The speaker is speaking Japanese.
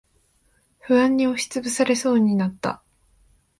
不安に押しつぶされそうになった。